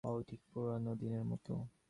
অউ, ঠিক পুরানো দিনের মতো।